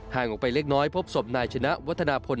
ห่างออกไปเล็กน้อยพบสบนายชนรรย์วัฒนาพล